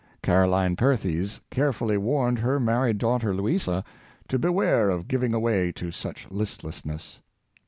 Caroline Perthes carefully warned her married daughter Louisa to beware of giving way to such listlessnesss.